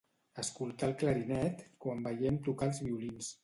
Escoltar el clarinet quan veiem tocar els violins.